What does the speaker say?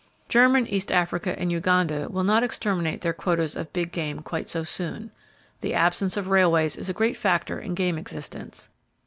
German East Africa and Uganda will not exterminate their quotas of big game quite so soon. The absence of railways is a great factor in game existence.